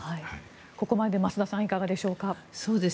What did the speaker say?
ここまで増田さんいかがでしょうか。